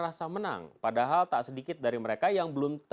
jadi sekarang aku diai ala apa aku mit unduh ada yang turut ajaknya